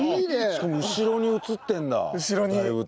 しかも後ろに写ってるんだ大仏。